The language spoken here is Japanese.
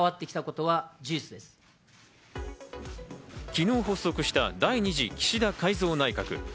昨日発足した第２次岸田改造内閣。